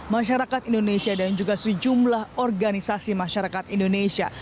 masyarakat indonesia dan juga sejumlah organisasi masyarakat indonesia